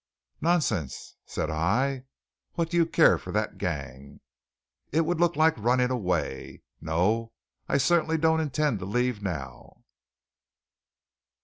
"Nonsense," said I. "What do you care for that gang?" "It would look like running away. No, I certainly don't intend to leave now."